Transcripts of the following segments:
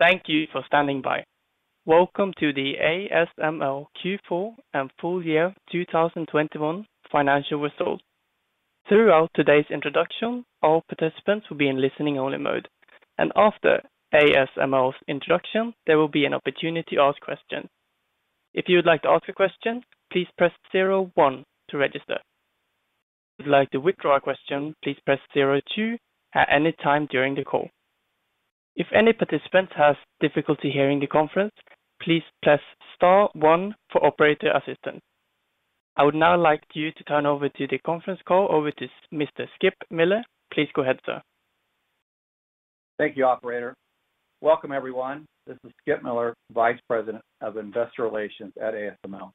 Thank you for standing by. Welcome to the ASML Q4 and Full Year 2021 Financial Results. Throughout today's introduction, all participants will be in listen-only mode, and after ASML's introduction, there will be an opportunity to ask questions. If you would like to ask a question, please press zero one to register. If you'd like to withdraw a question, please press zero two at any time during the call. If any participants have difficulty hearing the conference, please press star one for operator assistance. I would now like you to turn over the conference call to Mr. Skip Miller. Please go ahead, sir. Thank you, operator. Welcome, everyone. This is Skip Miller, Vice President of Investor Relations at ASML.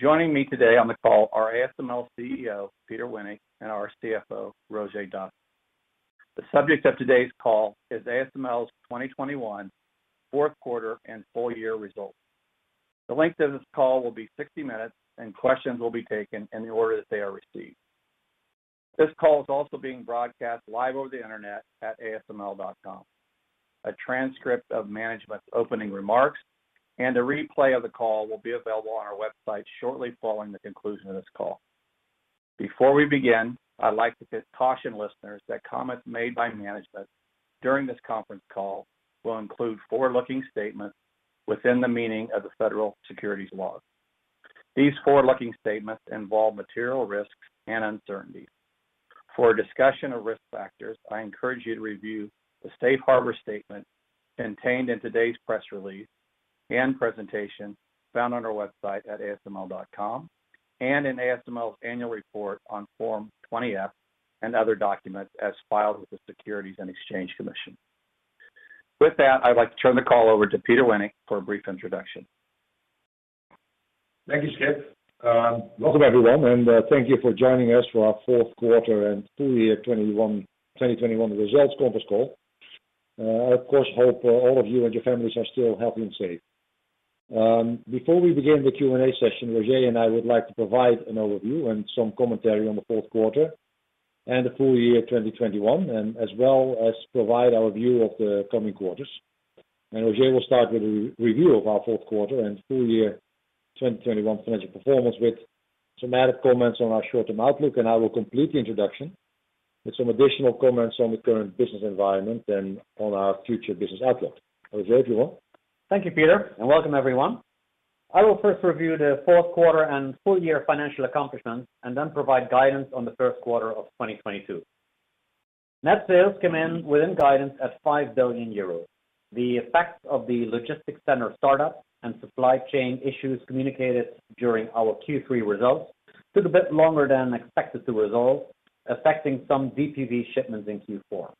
Joining me today on the call are ASML's CEO, Peter Wennink, and our CFO, Roger Dassen. The subject of today's call is ASML's 2021 Q4 and full year results. The length of this call will be 60 minutes, and questions will be taken in the order that they are received. This call is also being broadcast live over the internet at asml.com. A transcript of management's opening remarks and a replay of the call will be available on our website shortly following the conclusion of this call. Before we begin, I'd like to caution listeners that comments made by management during this conference call will include forward-looking statements within the meaning of the federal securities laws. These forward-looking statements involve material risks and uncertainties. For a discussion of risk factors, I encourage you to review the safe harbor statement contained in today's press release and presentation found on our website at asml.com and in ASML's annual report on Form 20-F and other documents as filed with the Securities and Exchange Commission. With that, I'd like to turn the call over to Peter Wennink for a brief introduction. Thank you, Skip. Welcome everyone, and thank you for joining us for our Q4 and full year 2021 results conference call. I of course hope all of you and your families are still healthy and safe. Before we begin the Q&A session, Roger and I would like to provide an overview and some commentary on the Q4 and the full year 2021, as well as provide our view of the coming quarters. Roger will start with a review of our Q4 and full year 2021 financial performance with some added comments on our short-term outlook, and I will complete the introduction with some additional comments on the current business environment and on our future business outlook. Roger, if you will. Thank you, Peter, and welcome everyone. I will first review the Q4 and full year financial accomplishments and then provide guidance on the Q1 of 2022. Net sales came in within guidance at 5 billion euros. The effects of the logistics center startup and supply chain issues communicated during our Q3 results took a bit longer than expected to resolve, affecting some DUV shipments in Q4.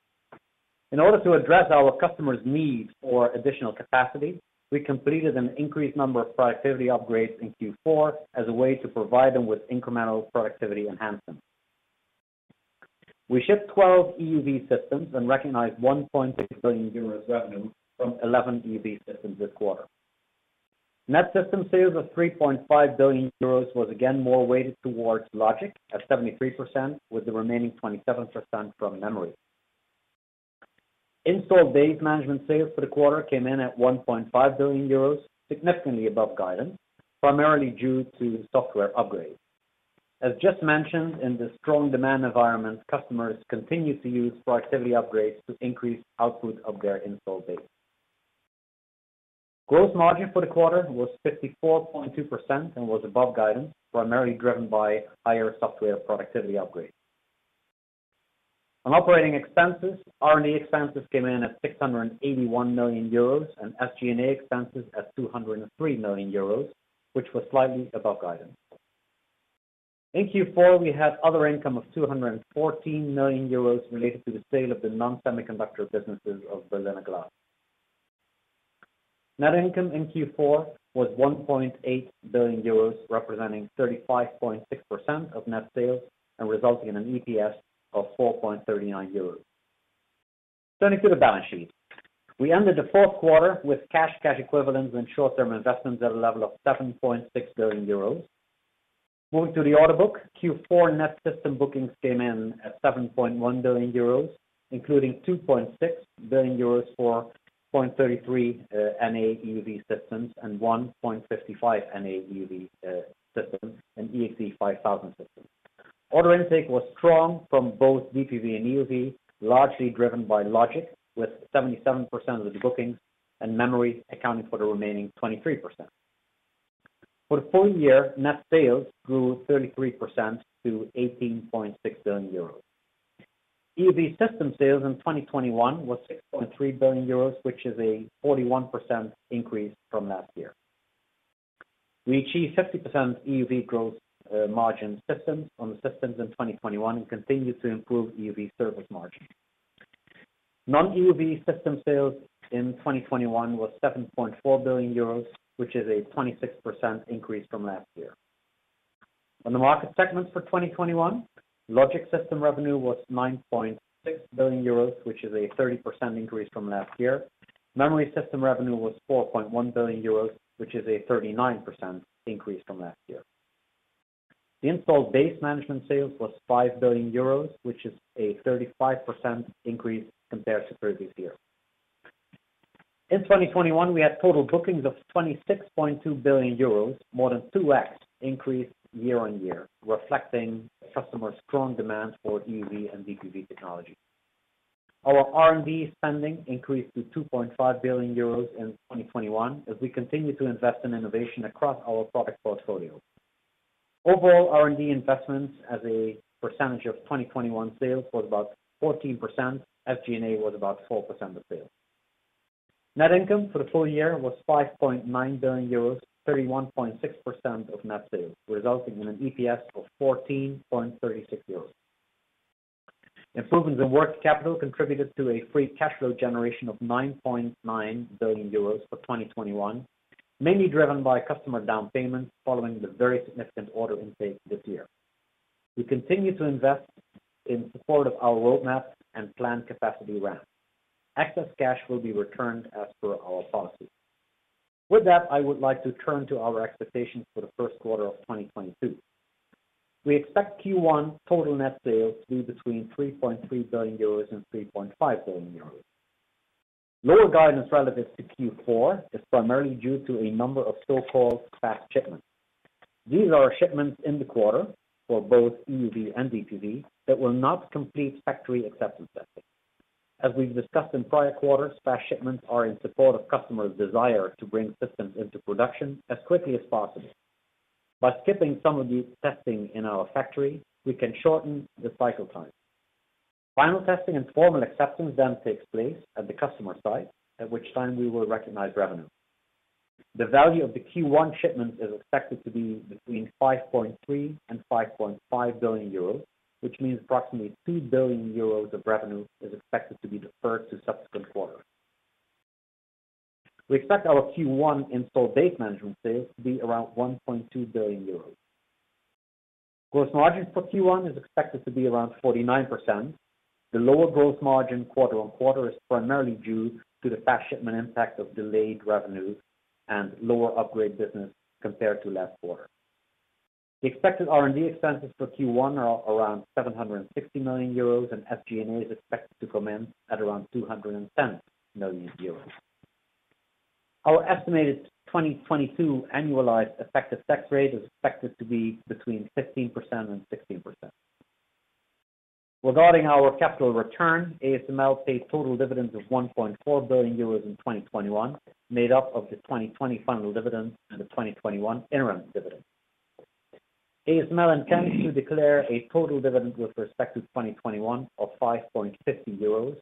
In order to address our customers needs for additional capacity, we completed an increased number of productivity upgrades in Q4 as a way to provide them with incremental productivity enhancements. We shipped 12 EUV systems and recognized 1.6 billion euros revenue from 11 EUV systems this quarter. Net system sales of 3.5 billion euros was again more weighted towards logic at 73%, with the remaining 27% from memory. Installed base management sales for the quarter came in at 1.5 billion euros, significantly above guidance, primarily due to software upgrades. As just mentioned, in the strong demand environment, customers continue to use productivity upgrades to increase output of their installed base. Gross margin for the quarter was 54.2% and was above guidance, primarily driven by higher software productivity upgrades. On operating expenses, R&D expenses came in at 681 million euros, and SG&A expenses at 203 million euros, which was slightly above guidance. In Q4, we had other income of 214 million euros related to the sale of the non-semiconductor businesses of Berliner Glas. Net income in Q4 was 1.8 billion euros, representing 35.6% of net sales and resulting in an EPS of 4.39 euros. Turning to the balance sheet. We ended the Q4 with cash equivalents, and short-term investments at a level of 7.6 billion euros. Moving to the order book, Q4 net system bookings came in at 7.1 billion euros, including 2.6 billion euros for 0.33 NA EUV systems and 0.55 NA EUV systems and EXE:5000 systems. Order intake was strong from both DUV and EUV, largely driven by logic, with 77% of the bookings and memory accounting for the remaining 23%. For the full year, net sales grew 33% to 18.6 billion euros. EUV system sales in 2021 was 6.3 billion euros, which is a 41% increase from last year. We achieved 50% EUV growth on the systems in 2021 and continued to improve EUV service margin. Non-EUV system sales in 2021 was 7.4 billion euros, which is a 26% increase from last year. On the market segments for 2021, logic system revenue was 9.6 billion euros, which is a 30% increase from last year. Memory system revenue was 4.1 billion euros, which is a 39% increase from last year. The installed base management sales was 5 billion euros, which is a 35% increase compared to previous year. In 2021, we had total bookings of 26.2 billion euros, more than 2x increase year-on-year, reflecting customers' strong demand for EUV and DUV technology. Our R&D spending increased to 2.5 billion euros in 2021 as we continue to invest in innovation across our product portfolio. Overall, R&D investments as a percentage of 2021 sales was about 14%. SG&A was about 4% of sales. Net income for the full year was 5.9 billion euros, 31.6% of net sales, resulting in an EPS of 14.36 euros. Improvements in working capital contributed to a free cash flow generation of 9.9 billion euros for 2021, mainly driven by customer down payments following the very significant order intake this year. We continue to invest in support of our roadmap and planned capacity ramp. Excess cash will be returned as per our policy. With that, I would like to turn to our expectations for the Q1 of 2022. We expect Q1 total net sales to be between 3.3 billion euros and 3.5 billion euros. Lower guidance relative to Q4 is primarily due to a number of so-called fast shipments. These are shipments in the quarter for both EUV and DUV that will not complete factory acceptance testing. As we've discussed in prior quarters, fast shipments are in support of customers' desire to bring systems into production as quickly as possible. By skipping some of these testing in our factory, we can shorten the cycle time. Final testing and formal acceptance then takes place at the customer site, at which time we will recognize revenue. The value of the Q1 shipment is expected to be between 5.3 billion and 5.5 billion euros, which means approximately 2 billion euros of revenue is expected to be deferred to subsequent quarters. We expect our Q1 installed base management sales to be around 1.2 billion euros. Gross margin for Q1 is expected to be around 49%. The lower gross margin quarter-over-quarter is primarily due to the last shipment impact of delayed revenue and lower upgrade business compared to last quarter. The expected R&D expenses for Q1 are around 760 million euros, and SG&A is expected to come in at around 210 million euros. Our estimated 2022 annualized effective tax rate is expected to be between 15%-16%. Regarding our capital return, ASML paid total dividends of 1.4 billion euros in 2021, made up of the 2020 final dividend and the 2021 interim dividend. ASML intends to declare a total dividend with respect to 2021 of 5.50 euros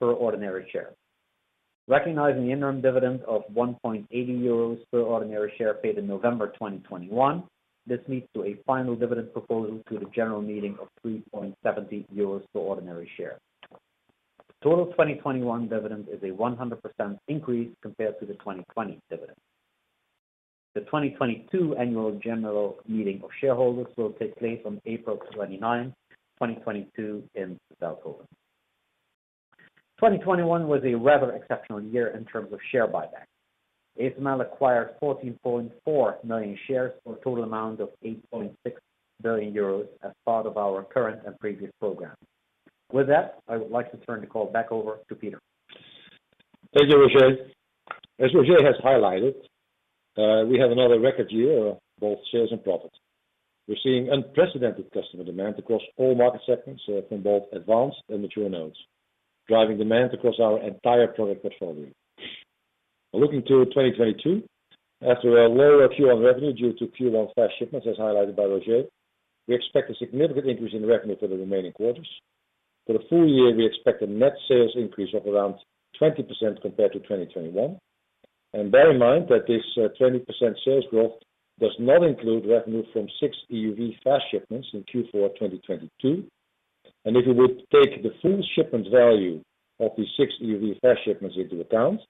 per ordinary share. Recognizing the interim dividend of 1.80 euros per ordinary share paid in November 2021, this leads to a final dividend proposal to the general meeting of 3.70 euros per ordinary share. Total 2021 dividend is a 100% increase compared to the 2020 dividend. The 2022 annual general meeting of shareholders will take place on April 29, 2022 in Veldhoven. 2021 was a rather exceptional year in terms of share buyback. ASML acquired 14.4 million shares for a total amount of 8.6 billion euros as part of our current and previous program. With that, I would like to turn the call back over to Peter. Thank you, Roger. As Roger has highlighted, we have another record year of both sales and profit. We're seeing unprecedented customer demand across all market segments, from both advanced and mature nodes, driving demand across our entire product portfolio. Looking to 2022, after a lower Q1 revenue due to Q1 past shipments, as highlighted by Roger, we expect a significant increase in revenue for the remaining quarters. For the full year, we expect a net sales increase of around 20% compared to 2021. Bear in mind that this, 20% sales growth does not include revenue from 6 EUV past shipments in Q4 2022. If you would take the full shipment value of these 6 EUV past shipments into account,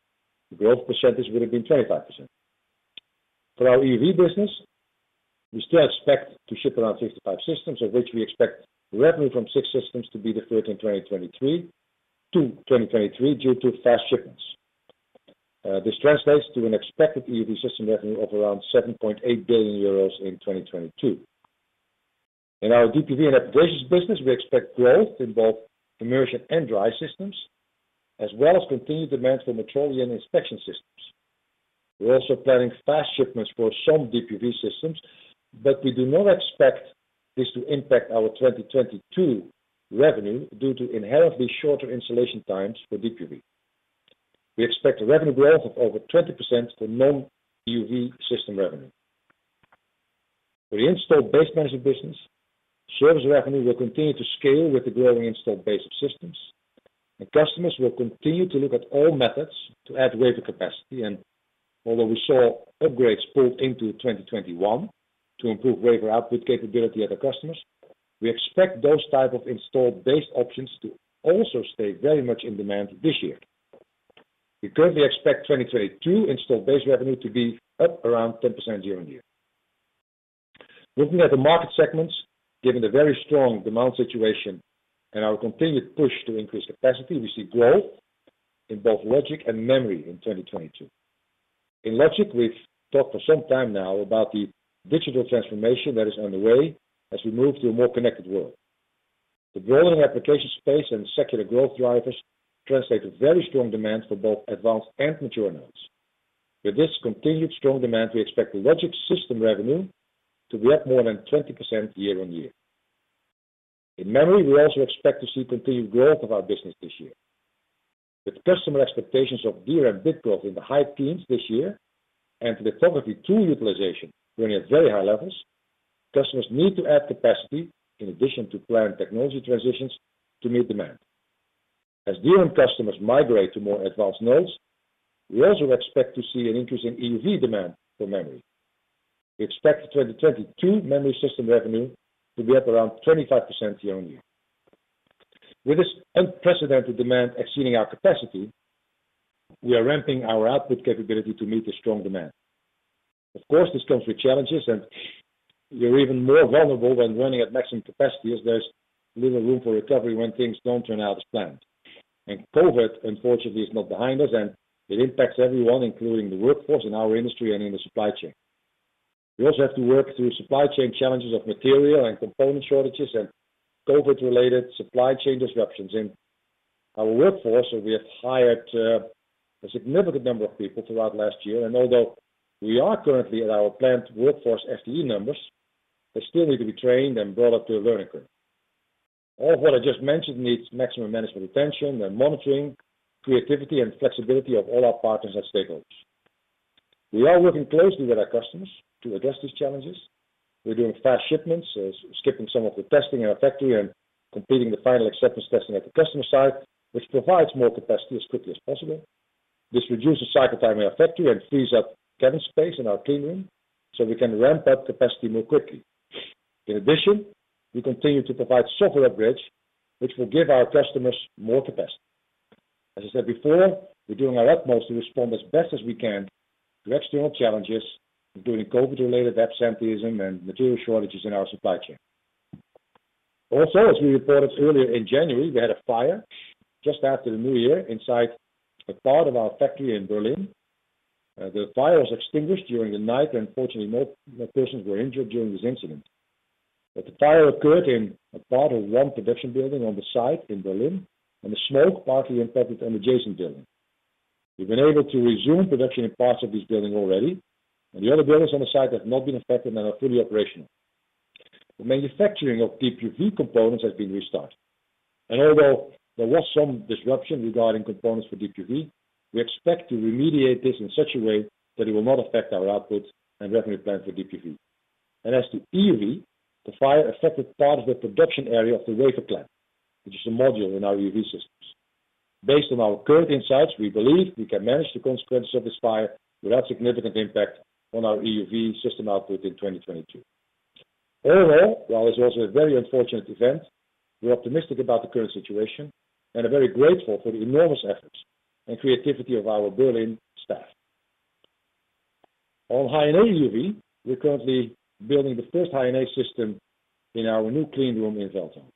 the growth percentage would have been 25%. For our EUV business, we still expect to ship around 65 systems, of which we expect revenue from 6 systems to be deferred to 2023 due to fast shipments. This translates to an expected EUV system revenue of around 7.8 billion euros in 2022. In our DUV and applications business, we expect growth in both immersion and dry systems, as well as continued demand for metrology and inspection systems. We're also planning fast shipments for some DUV systems, but we do not expect this to impact our 2022 revenue due to inherently shorter installation times for DUV. We expect revenue growth of over 20% for non-EUV system revenue. For the installed base management business, service revenue will continue to scale with the growing installed base of systems. Customers will continue to look at all methods to add wafer capacity. Although we saw upgrades pulled into 2021 to improve wafer output capability at the customers, we expect those type of installed base options to also stay very much in demand this year. We currently expect 2022 installed base revenue to be up around 10% year-on-year. Looking at the market segments, given the very strong demand situation and our continued push to increase capacity, we see growth in both logic and memory in 2022. In Logic, we've talked for some time now about the digital transformation that is underway as we move to a more connected world. The growing application space and secular growth drivers translate a very strong demand for both advanced and mature nodes. With this continued strong demand, we expect the Logic system revenue to be up more than 20% year-on-year. In memory, we also expect to see continued growth of our business this year. With customer expectations of DRAM bit growth in the high teens% this year and lithography tool utilization running at very high levels, customers need to add capacity in addition to planned technology transitions to meet demand. As DRAM customers migrate to more advanced nodes, we also expect to see an increase in EUV demand for memory. We expect the 2022 memory system revenue to be up around 25% year-on-year. With this unprecedented demand exceeding our capacity, we are ramping our output capability to meet the strong demand. Of course, this comes with challenges, and you're even more vulnerable when running at maximum capacity, as there's little room for recovery when things don't turn out as planned. COVID, unfortunately, is not behind us, and it impacts everyone, including the workforce in our industry and in the supply chain. We also have to work through supply chain challenges of material and component shortages and COVID-related supply chain disruptions. In our workforce, we have hired a significant number of people throughout last year, and although we are currently at our planned workforce FTE numbers, they still need to be trained and brought up to a learning curve. All what I just mentioned needs maximum management attention and monitoring, creativity, and flexibility of all our partners and stakeholders. We are working closely with our customers to address these challenges. We're doing fast shipments, skipping some of the testing in our factory and completing the final acceptance testing at the customer site, which provides more capacity as quickly as possible. This reduces cycle time in our factory and frees up cabinet space in our cleanroom, so we can ramp up capacity more quickly. In addition, we continue to provide software bridge, which will give our customers more capacity. As I said before, we're doing our utmost to respond as best as we can to external challenges, including COVID-related absenteeism and material shortages in our supply chain. Also, as we reported earlier in January, we had a fire just after the new year inside a part of our factory in Berlin. The fire was extinguished during the night, and fortunately no persons were injured during this incident. The fire occurred in a part of one production building on the site in Berlin, and the smoke partly impacted an adjacent building. We've been able to resume production in parts of this building already, and the other buildings on the site have not been affected and are fully operational. The manufacturing of DUV components has been restarted, and although there was some disruption regarding components for DUV, we expect to remediate this in such a way that it will not affect our output and revenue plan for DUV. As to EUV, the fire affected part of the production area of the wafer plant, which is a module in our EUV systems. Based on our current insights, we believe we can manage the consequences of this fire without significant impact on our EUV system output in 2022. Overall, while this was a very unfortunate event, we're optimistic about the current situation and are very grateful for the enormous efforts and creativity of our Berlin staff. On High-NA EUV, we're currently building the first High-NA system in our new cleanroom in Veldhoven.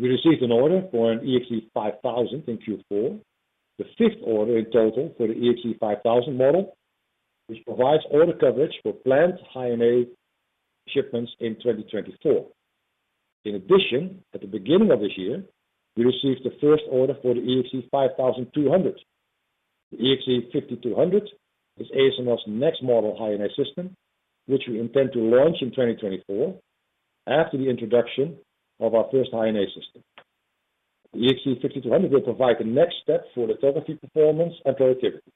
We received an order for an EXE:5000 in Q4, the fifth order in total for the EXE:5000 model, which provides order coverage for planned High-NA shipments in 2024. In addition, at the beginning of this year, we received the first order for the EXE:5200. The EXE:5200 is ASML's next model High-NA system, which we intend to launch in 2024 after the introduction of our first High-NA system. The EXE:5200 will provide the next step for lithography performance and productivity.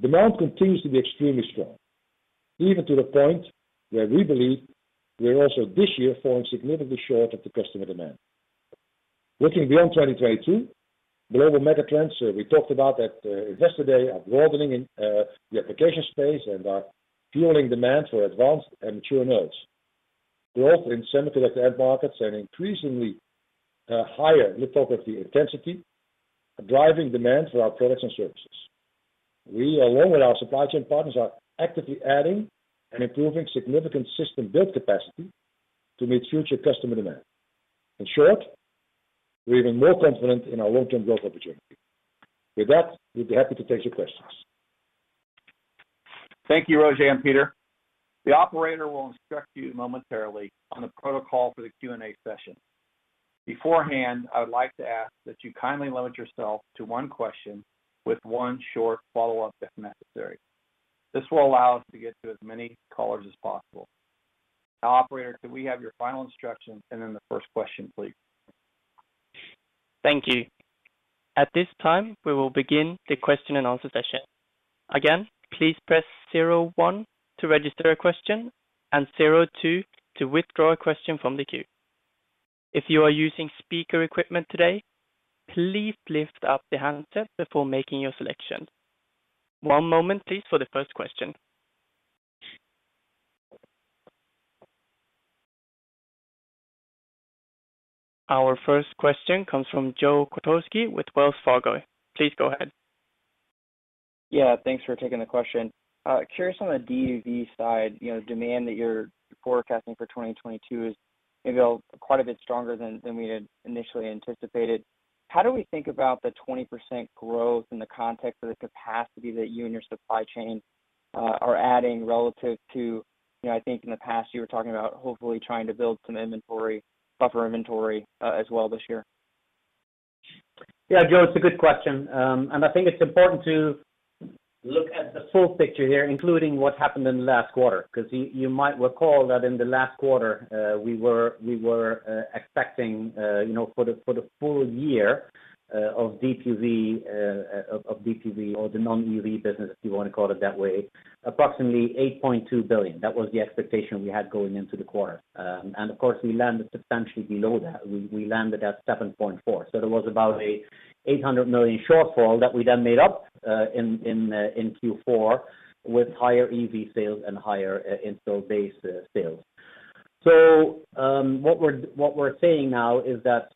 Demand continues to be extremely strong, even to the point where we believe we are also this year falling significantly short of the customer demand. Looking beyond 2022, the global mega trends we talked about at Investor Day are broadening in the application space and are fueling demand for advanced and mature nodes. Growth in semiconductor end markets and increasingly higher lithography intensity are driving demand for our products and services. We, along with our supply chain partners, are actively adding and improving significant system build capacity to meet future customer demand. In short, we're even more confident in our long-term growth opportunity. With that, we'd be happy to take your questions. Thank you, Roger and Peter. The operator will instruct you momentarily on the protocol for the Q&A session. Beforehand, I would like to ask that you kindly limit yourself to one question with one short follow-up if necessary. This will allow us to get to as many callers as possible. Now, operator, could we have your final instructions and then the first question, please? Thank you. At this time, we will begin the question and answer session. Again, please press zero one to register a question and zero two to withdraw a question from the queue. If you are using speaker equipment today, please lift up the handset before making your selection. One moment, please, for the first question. Our first question comes from Joe Quatrochi with Wells Fargo. Please go ahead. Yeah, thanks for taking the question. Curious on the DUV side, you know, demand that you're forecasting for 2022 is maybe quite a bit stronger than we had initially anticipated. How do we think about the 20% growth in the context of the capacity that you and your supply chain are adding relative to, you know, I think in the past you were talking about hopefully trying to build some inventory, buffer inventory as well this year. Yeah, Joe, it's a good question. I think it's important to look at the full picture here, including what happened in the last quarter. Because you might recall that in the last quarter, we were expecting, you know, for the full year of DUV or the non-EUV business, if you wanna call it that way, approximately 8.2 billion. That was the expectation we had going into the quarter. Of course, we landed substantially below that. We landed at 7.4 billion. There was about an 800 million shortfall that we then made up in Q4 with higher EUV sales and higher install base sales. What we're saying now is that,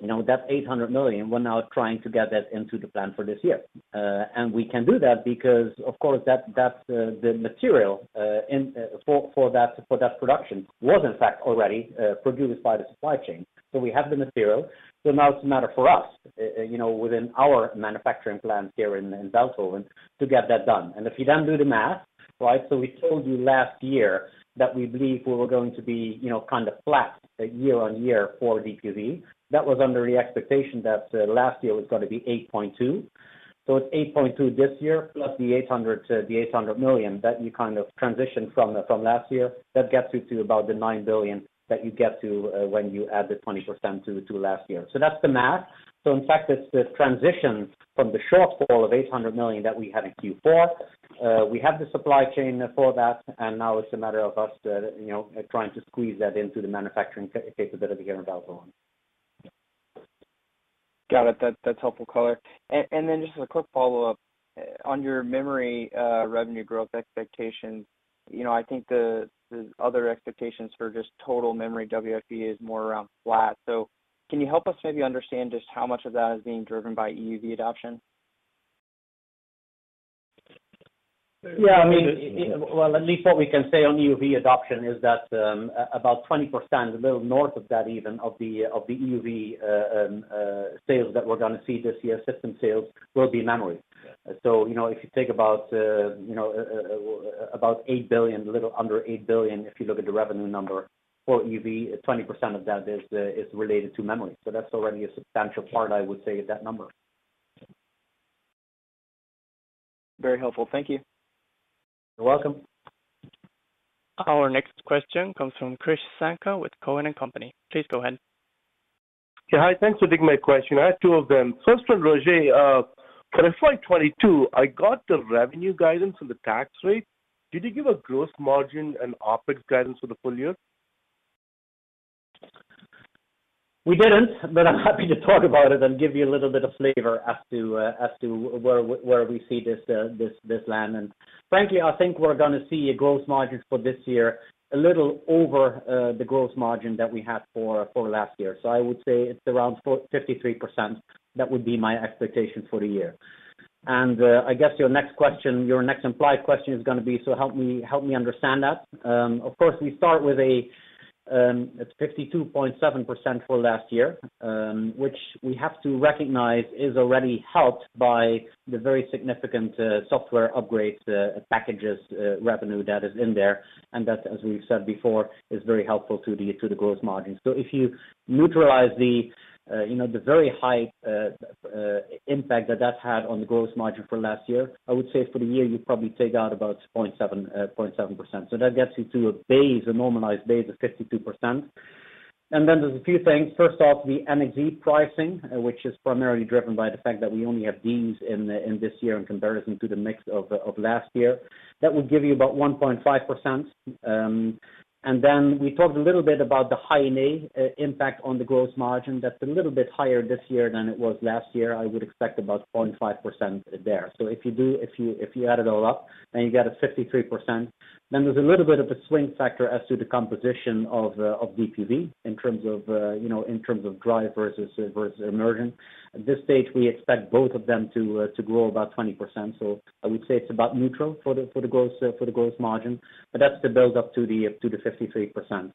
you know, that 800 million, we're now trying to get that into the plan for this year. We can do that because, of course, that's the material for that production was in fact already produced by the supply chain. We have the material, so now it's a matter for us, you know, within our manufacturing plant here in Veldhoven to get that done. If you then do the math, right? We told you last year that we believe we were going to be, you know, kind of flat year-on-year for DUV. That was under the expectation that last year was gonna be 8.2 billion. It's 8.2 billion this year + the 800 million that you kind of transition from last year. That gets you to about the 9 billion that you get to when you add the 20% to last year. That's the math. In fact it's the transition from the shortfall of 800 million that we had in Q4. We have the supply chain for that, and now it's a matter of us trying to squeeze that into the manufacturing capability here in Veldhoven. Got it. That's helpful color. And then just as a quick follow-up, on your memory revenue growth expectations, you know, I think the other expectations for just total memory WFE is more around flat. Can you help us maybe understand just how much of that is being driven by EUV adoption? Yeah, I mean, well, at least what we can say on EUV adoption is that, about 20%, a little north of that even, of the EUV sales that we're gonna see this year, system sales, will be memory. You know, if you take about, you know, about 8 billion, a little under 8 billion, if you look at the revenue number for EUV, 20% of that is related to memory. That's already a substantial part, I would say, of that number. Very helpful. Thank you. You're welcome. Our next question comes from Krish Sankar with Cowen and Company. Please go ahead. Yeah. Hi. Thanks for taking my question. I have two of them. First one, Roger, for FY 2022, I got the revenue guidance and the tax rate. Did you give a gross margin and OpEx guidance for the full year? We didn't, but I'm happy to talk about it and give you a little bit of flavor as to where we see this land. Frankly, I think we're gonna see a gross margin for this year a little over the gross margin that we had for last year. I would say it's around 53%. That would be my expectation for the year. I guess your next implied question is gonna be, so help me understand that. Of course, we start with, it's 52.7% for last year, which we have to recognize is already helped by the very significant software upgrades packages revenue that is in there. That, as we've said before, is very helpful to the gross margin. If you neutralize, you know, the very high impact that that had on the gross margin for last year, I would say for the year, you probably take out about 0.7%. That gets you to a normalized base of 52%. Then there's a few things. First off, the NXE pricing, which is primarily driven by the fact that we only have these in this year in comparison to the mix of last year. That will give you about 1.5%. And then we talked a little bit about the high-NA impact on the gross margin. That's a little bit higher this year than it was last year. I would expect about 0.5% there. If you add it all up, then you get a 53%. Then there's a little bit of a swing factor as to the composition of DUV in terms of dry versus immersion. At this stage, we expect both of them to grow about 20%. I would say it's about neutral for the gross margin, but that's the build up to the 53%.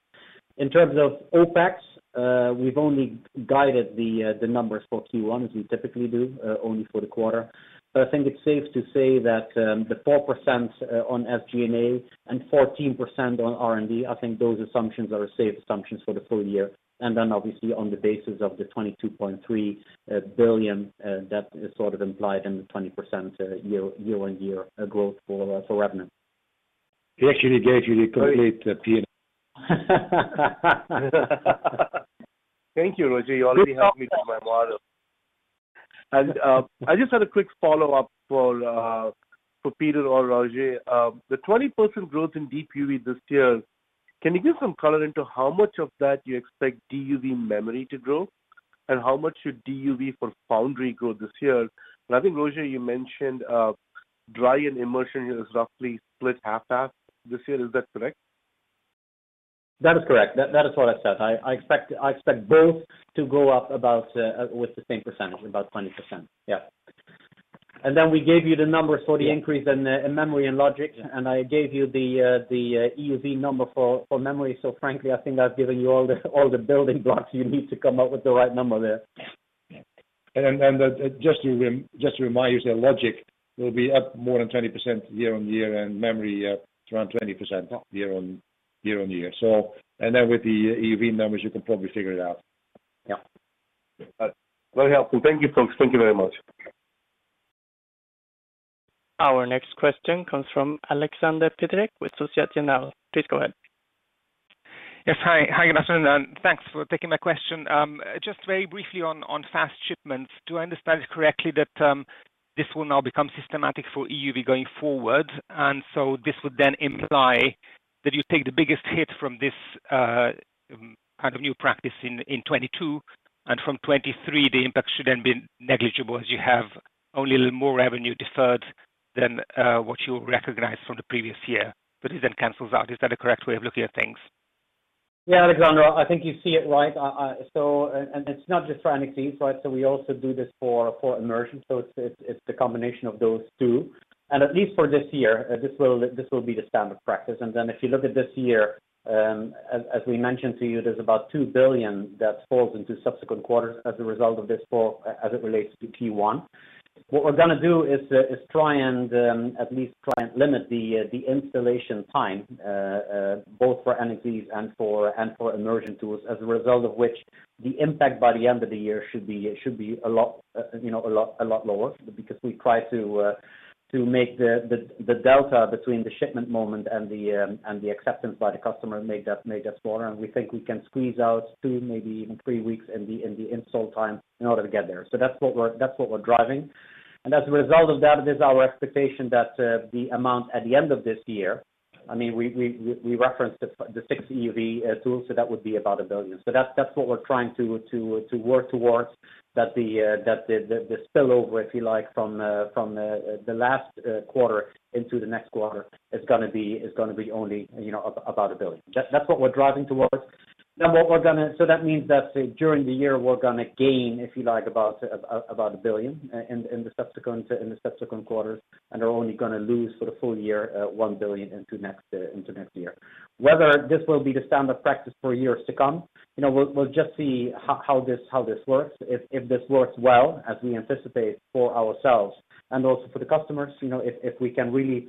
In terms of OpEx, we've only guided the numbers for Q1 as we typically do, only for the quarter. I think it's safe to say that the 4% on SG&A and 14% on R&D, I think those assumptions are safe assumptions for the full year. Then obviously on the basis of the 22.3 billion that is sort of implied in the 20% year-on-year growth for revenue. We actually gave you the complete P&L. Thank you, Roger. You already helped me do my model. I just had a quick follow-up for Peter or Roger. The 20% growth in DUV this year, can you give some color into how much of that you expect DUV memory to grow? How much should DUV for foundry grow this year? I think, Roger, you mentioned dry and immersion is roughly split half and half this year. Is that correct? That is correct. That is what I said. I expect both to go up with the same percentage, about 20%. Yeah. Then we gave you the numbers for the increase in memory and logic. I gave you the EUV number for memory. Frankly, I think I've given you all the building blocks you need to come up with the right number there. Just to remind you, logic will be up more than 20% year-on-year, and memory around 20% year-on-year. With the EUV numbers, you can probably figure it out. Yeah. All right. Very helpful. Thank you, folks. Thank you very much. Our next question comes from Alexander Duval with Société Générale. Please go ahead. Yes. Hi. Hi, good afternoon, and thanks for taking my question. Just very briefly on fast shipments, do I understand correctly that this will now become systematic for EUV going forward? This would then imply that you take the biggest hit from this kind of new practice in 2022, and from 2023, the impact should then be negligible, as you have only a little more revenue deferred than what you recognized from the previous year, but it then cancels out. Is that a correct way of looking at things? Yeah, Alexander, I think you see it right. It's not just for NXE, right? We also do this for immersion. It's the combination of those two. At least for this year, this will be the standard practice. Then if you look at this year, as we mentioned to you, there's about 2 billion that falls into subsequent quarters as a result of this fall as it relates to Q1. What we're gonna do is try and at least limit the installation time both for NXEs and for immersion tools, as a result of which the impact by the end of the year should be a lot, you know, a lot lower because we try to make the delta between the shipment moment and the acceptance by the customer make that smaller. We think we can squeeze out two, maybe even three weeks in the install time in order to get there. That's what we're driving. As a result of that, it is our expectation that, the amount at the end of this year, I mean, we referenced the six EUV tools, so that would be about 1 billion. That's what we're trying to work towards, that the spillover, if you like, from the last quarter into the next quarter is gonna be only, you know, about 1 billion. That's what we're driving towards. Now we're gonna. So that means that, say, during the year, we're gonna gain, if you like, about 1 billion in the subsequent quarters, and are only gonna lose for the full year 1 billion into next year. Whether this will be the standard practice for years to come, you know, we'll just see how this works. If this works well, as we anticipate for ourselves and also for the customers, you know, if we can really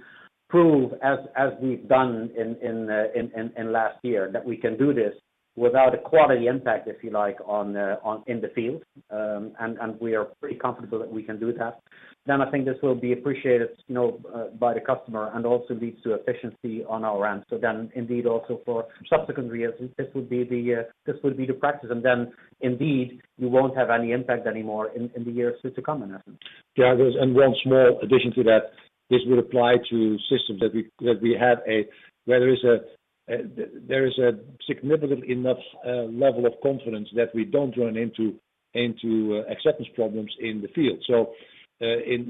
prove as we've done in last year that we can do this without a quality impact, if you like, on in the field, and we are pretty comfortable that we can do that, then I think this will be appreciated, you know, by the customer and also leads to efficiency on our end. So then indeed also for subsequent years, this would be the practice. Then indeed, you won't have any impact anymore in the years to come, Ernesto. One small addition to that, this would apply to systems that we have where there is a significant enough level of confidence that we don't run into acceptance problems in the field.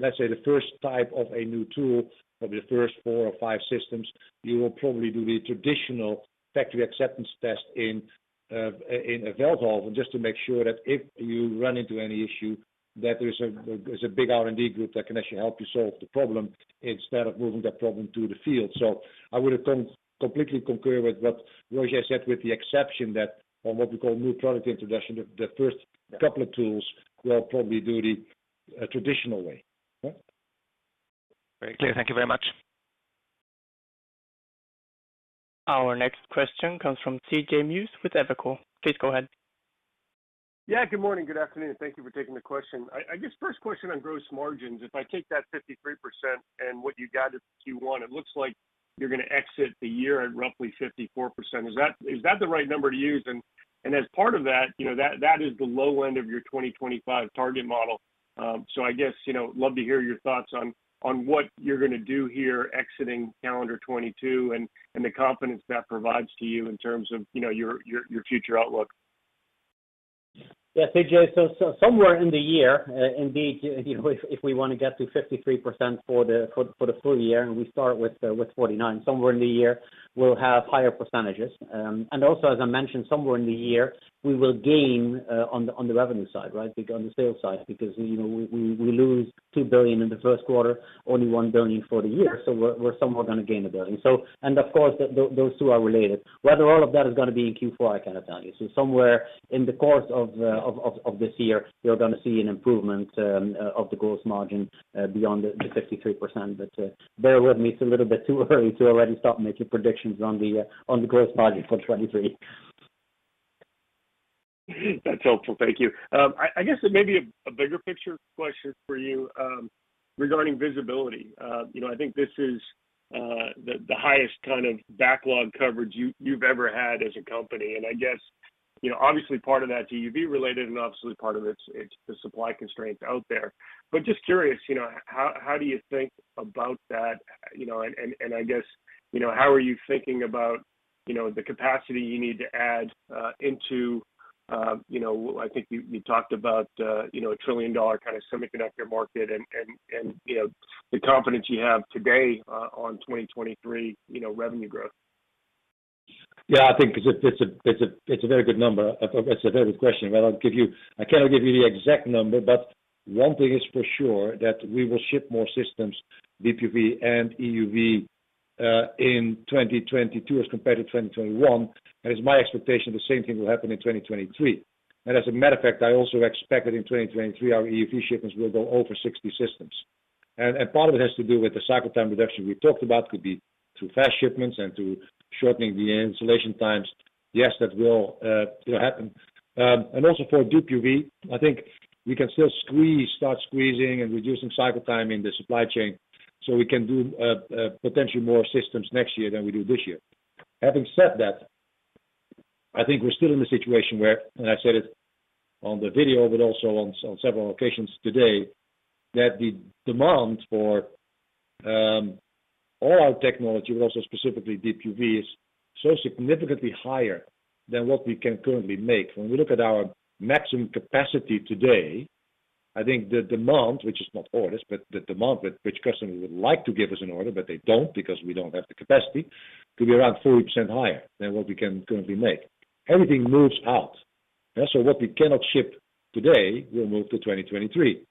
Let's say, the first type of a new tool of the first four or five systems, you will probably do the traditional factory acceptance test in Veldhoven just to make sure that if you run into any issue, there's a big R&D group that can actually help you solve the problem instead of moving that problem to the field. I would completely concur with what Roger said, with the exception that on what we call new product introduction, the first couple of tools, we'll probably do it the traditional way. Very clear. Thank you very much. Our next question comes from C.J. Muse with Evercore. Please go ahead. Yeah. Good morning. Good afternoon. Thank you for taking the question. I guess first question on gross margins. If I take that 53% and what you guided Q1, it looks like you're gonna exit the year at roughly 54%. Is that the right number to use? As part of that, you know, that is the low end of your 2025 target model. I guess, you know, love to hear your thoughts on what you're gonna do here exiting calendar 2022 and the confidence that provides to you in terms of, you know, your future outlook. Yeah. C.J. Somewhere in the year, indeed, you know, if we want to get to 53% for the full year, and we start with 49%, somewhere in the year we'll have higher percentages. Also as I mentioned, somewhere in the year we will gain on the revenue side, right? On the sales side. Because, you know, we lose 2 billion in the Q1, only 1 billion for the year, so we're somewhere gonna gain 1 billion. Of course, those two are related. Whether all of that is gonna be in Q4, I cannot tell you. Somewhere in the course of this year, you're gonna see an improvement of the gross margin beyond the 53%. bear with me, it's a little bit too early to already start making predictions on the gross margin for 2023. That's helpful. Thank you. I guess maybe a bigger picture question for you, regarding visibility. You know, I think this is the highest kind of backlog coverage you've ever had as a company. I guess, you know, obviously part of that's EUV-related and obviously part of it's the supply constraints out there. Just curious, you know, how do you think about that? You know, I guess, you know, how are you thinking about, you know, the capacity you need to add into, you know, I think you talked about, you know, a trillion-dollar kind of semiconductor market and, you know, the confidence you have today, on 2023, you know, revenue growth. Yeah, I think it's a very good number. It's a very good question, but I'll give you. I cannot give you the exact number, but one thing is for sure that we will ship more systems, DUV and EUV, in 2022 as compared to 2021. It's my expectation the same thing will happen in 2023. As a matter of fact, I also expect that in 2023, our EUV shipments will go over 60 systems. Part of it has to do with the cycle time reduction we talked about, could be through fast shipments and through shortening the installation times. Yes, that will happen. Also for DUV, I think we can still start squeezing and reducing cycle time in the supply chain, so we can do potentially more systems next year than we do this year. Having said that, I think we're still in a situation where I said it on the video, but also on several occasions today, that the demand for all our technology, but also specifically DUV, is so significantly higher than what we can currently make. When we look at our maximum capacity today, I think the demand, which is not orders, but the demand which customers would like to give us an order, but they don't because we don't have the capacity, could be around 40% higher than what we can currently make. Everything moves out. What we cannot ship today will move to 2023.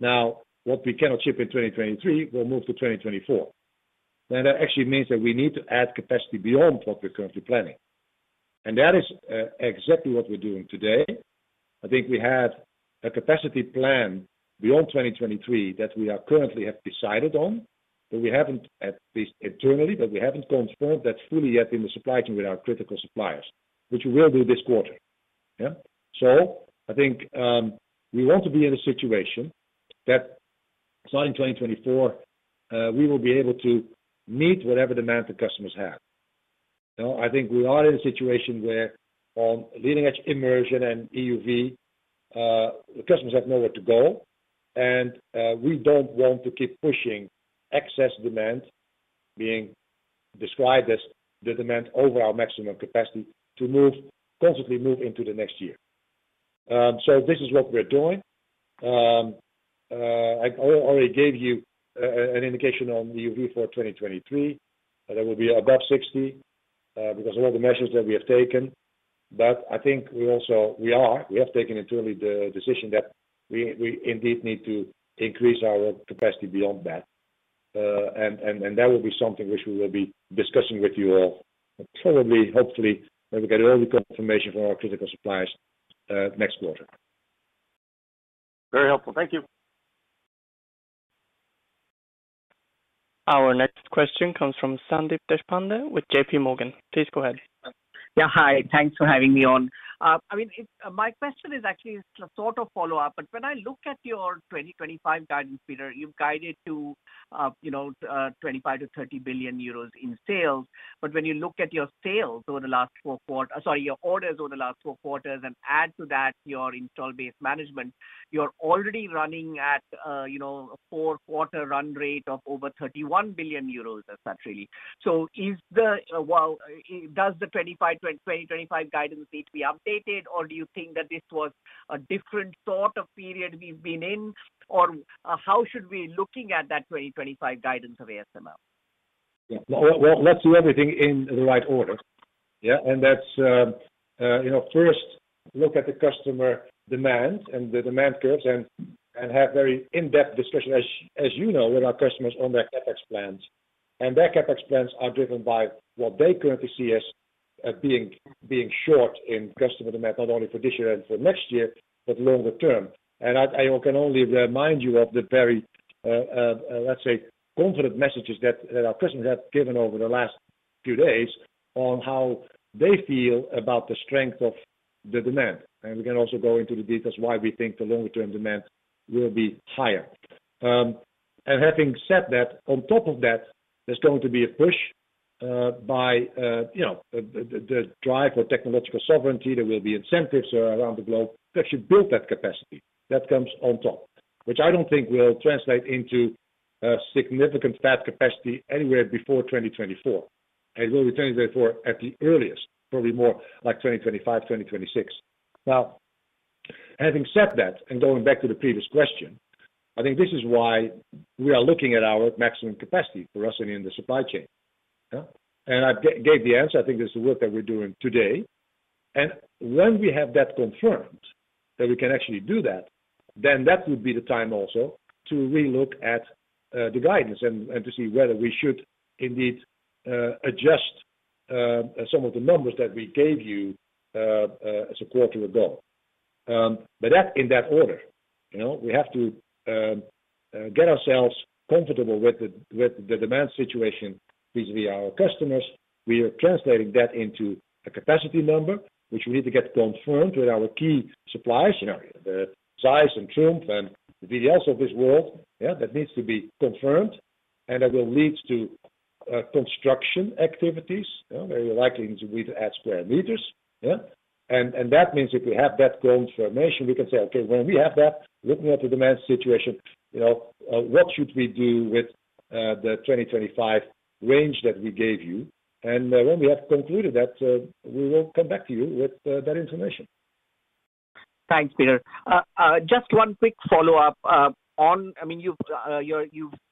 Now what we cannot ship in 2023 will move to 2024. That actually means that we need to add capacity beyond what we're currently planning. That is exactly what we're doing today. I think we have a capacity plan beyond 2023 that we are currently have decided on, but we haven't confirmed that fully yet at least internally in the supply chain with our critical suppliers, which we will do this quarter. I think we want to be in a situation that starting 2024 we will be able to meet whatever demand the customers have. You know, I think we are in a situation where on leading-edge immersion and EUV, the customers have nowhere to go, and we don't want to keep pushing excess demand being described as the demand over our maximum capacity to constantly move into the next year. This is what we're doing. I already gave you an indication on EUV for 2023. That will be above 60 because of all the measures that we have taken. I think we also have taken internally the decision that we indeed need to increase our capacity beyond that. That will be something which we will be discussing with you all, probably, hopefully, when we get all the confirmation from our critical suppliers next quarter. Very helpful. Thank you. Our next question comes from Sandeep Deshpande with JP Morgan. Please go ahead. Hi. Thanks for having me on. I mean, my question is actually sort of follow-up, but when I look at your 2025 guidance, Peter, you've guided to 25 billion-30 billion euros in sales. But when you look at your orders over the last four quarters and add to that your install base management, you're already running at a four-quarter run rate of over 31 billion euros essentially. Does the 2025 guidance need to be updated, or do you think that this was a different sort of period we've been in? Or, how should we be looking at that 2025 guidance of ASML? Well, let's do everything in the right order. That's, you know, first look at the customer demand and the demand curves and have very in-depth discussion, as you know, with our customers on their CapEx plans. Their CapEx plans are driven by what they currently see as being short in customer demand, not only for this year and for next year, but longer term. I can only remind you of the very, let's say, confident messages that our customers have given over the last few days on how they feel about the strength of the demand. We can also go into the details why we think the longer-term demand will be higher. Having said that, on top of that, there's going to be a push by, you know, the drive for technological sovereignty. There will be incentives around the globe to actually build that capacity. That comes on top, which I don't think will translate into significant fab capacity anywhere before 2024. It will be 2024 at the earliest, probably more like 2025, 2026. Now, having said that, going back to the previous question, I think this is why we are looking at our maximum capacity for us and in the supply chain. Yeah. I gave the answer. I think this is the work that we're doing today. When we have that confirmed that we can actually do that, then that would be the time also to relook at the guidance and to see whether we should indeed adjust some of the numbers that we gave you as a quarter ago. That in that order, you know? We have to get ourselves comfortable with the demand situation vis-a-vis our customers. We are translating that into a capacity number, which we need to get confirmed with our key suppliers, you know, the ZEISS and TRUMPF and the VDL of this world. That needs to be confirmed, and that will lead to construction activities. You know, very likely to re-add sq m. That means if we have that confirmation, we can say, "Okay, when we have that, looking at the demand situation, you know, what should we do with the 2025 range that we gave you?" When we have concluded that, we will come back to you with that information. Thanks, Peter. Just one quick follow-up on, I mean, you've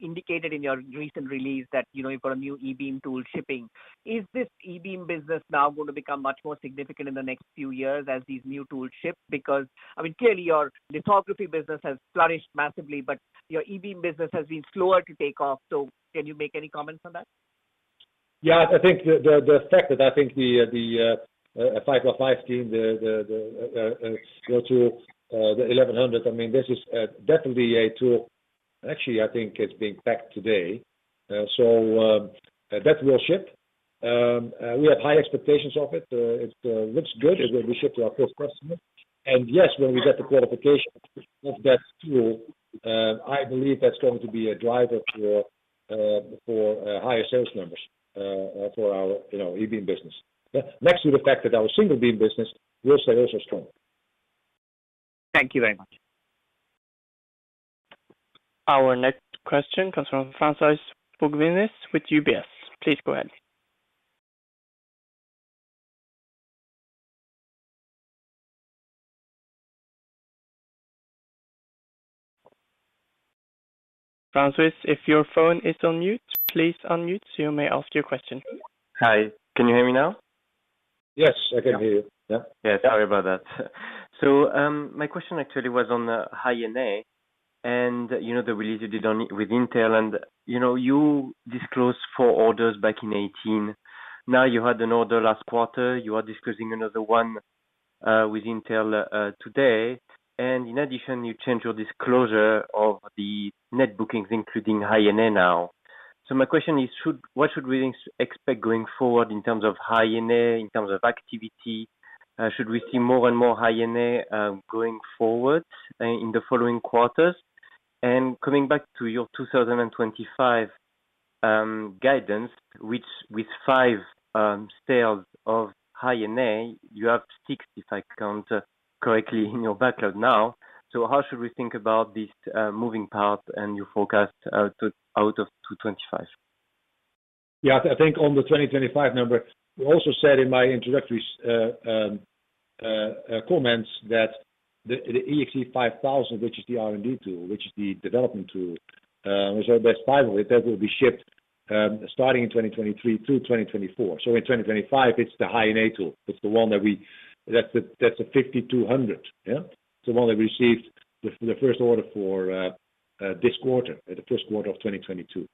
indicated in your recent release that, you know, you've got a new e-beam tool shipping. Is this e-beam business now gonna become much more significant in the next few years as these new tools ship? Because, I mean, clearly your lithography business has flourished massively, but your e-beam business has been slower to take off. Can you make any comments on that? Yeah, I think the 505 team going to the 1100, I mean, this is definitely a tool. Actually, I think it's being packed today. That will ship. We have high expectations of it. It looks good, it will be shipped to our first customer. Yes, when we get the qualification of that tool, I believe that's going to be a driver for higher sales numbers for our, you know, e-beam business. Next to the fact that our single beam business, our sales are strong. Thank you very much. Our next question comes from François-Xavier Bouvignies with UBS. Please go ahead. Francis, if your phone is on mute, please unmute so you may ask your question. Hi. Can you hear me now? Yes, I can hear you. Yeah. Yeah, sorry about that. My question actually was on the High-NA, and you know, the release you did on with Intel, and you know, you disclosed four orders back in 2018. Now, you had an order last quarter. You are disclosing another one with Intel today. In addition, you changed your disclosure of the net bookings, including High-NA now. My question is, what should we expect going forward in terms of High-NA, in terms of activity? Should we see more and more High-NA going forward in the following quarters? Coming back to your 2025 guidance, which with five sales of High-NA, you have six, if I count correctly, in your backlog now. How should we think about this moving path and your forecast out to 2025? Yeah, I think on the 2025 number, I also said in my introductory comments that the EXE:5000, which is the R&D tool, which is the development tool, so there's 5 of it that will be shipped, starting in 2023 through 2024. In 2025, it's the high-NA tool. That's the EXE:5200, yeah? It's the one that received the first order for this quarter, the Q1 of 2022.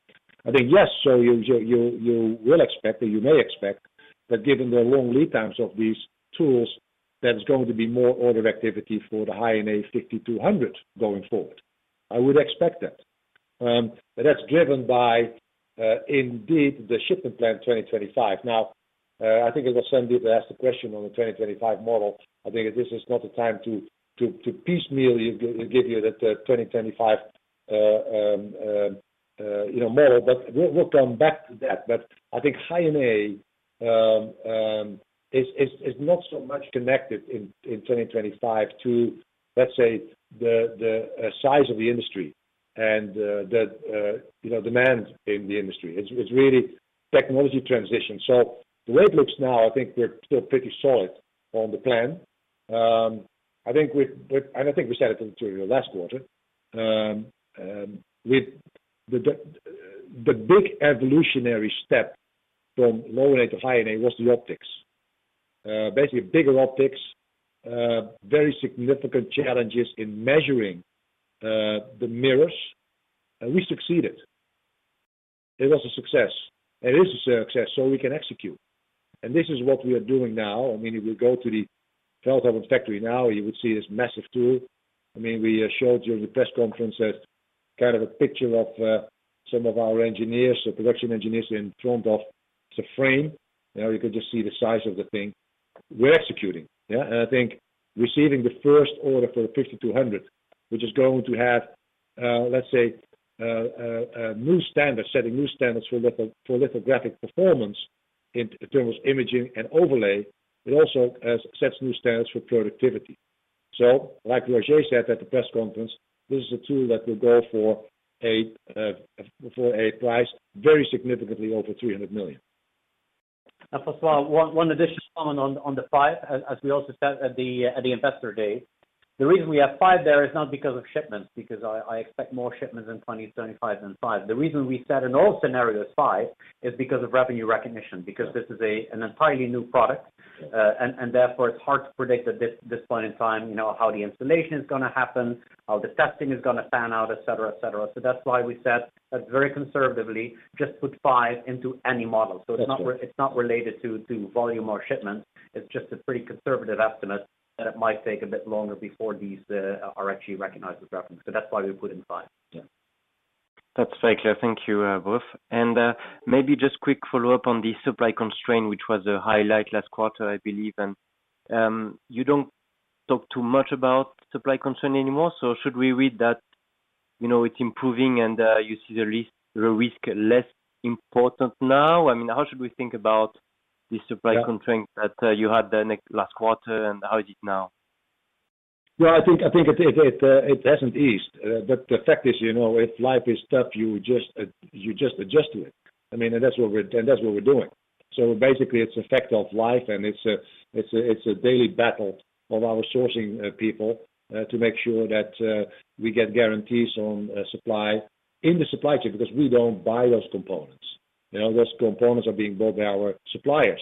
I think, yes. You'll expect or you may expect that given the long lead times of these tools, there's going to be more order activity for the high-NA EXE:5200 going forward. I would expect that. That's driven by indeed the shipping plan 2025. Now, I think it was Sandeep that asked the question on the 2025 model. I think this is not the time to piecemeal give you the 2025 model, but we'll come back to that. I think High-NA is not so much connected in 2025 to, let's say, the size of the industry and the demand in the industry. It's really technology transition. The way it looks now, I think we're still pretty solid on the plan. I think we said it in the material last quarter. The big evolutionary step from low-NA to High-NA was the optics. Basically a bigger optics, very significant challenges in measuring the mirrors. We succeeded. It was a success. It is a success, so we can execute. This is what we are doing now. I mean, if you go to the Veldhoven factory now, you would see this massive tool. I mean, we showed you in the press conference that kind of a picture of some of our engineers, the production engineers in front of the frame. You know, you could just see the size of the thing. We're executing, yeah? I think receiving the first order for 5200, which is going to have, let's say, a new standard, setting new standards for lithographic performance in terms of imaging and overlay. It also sets new standards for productivity. Like Roger said at the press conference, this is a tool that will go for a price very significantly over 300 million. François, one additional comment on the five. As we also said at the Investor Day, the reason we have five there is not because of shipments, because I expect more shipments in 2025 than five. The reason we said in all scenarios five is because of revenue recognition. Yeah. because this is an entirely new product. Yeah. Therefore, it's hard to predict at this point in time, you know, how the installation is gonna happen, how the testing is gonna pan out, et cetera. That's why we said very conservatively just put five into any model. That's right. It's not related to volume or shipments. It's just a pretty conservative estimate, and it might take a bit longer before these are actually recognized as revenue. That's why we put in five. Yeah. That's very clear. Thank you, both. Maybe just quick follow-up on the supply constraint, which was a highlight last quarter, I believe. You don't talk too much about supply constraint anymore. Should we read that it's improving and you see the risk less important now? I mean, how should we think about the supply constraint? Yeah. that you had the last quarter, and how is it now? Well, I think it hasn't eased. The fact is, you know, if life is tough, you just adjust to it. I mean, that's what we're doing. Basically it's a fact of life, and it's a daily battle of our sourcing people to make sure that we get guarantees on supply in the supply chain, because we don't buy those components. You know, those components are being bought by our suppliers.